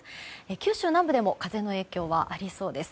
九州南部でも風の影響はありそうです。